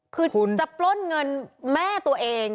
คือจะปล้นเงินแม่ตัวเอง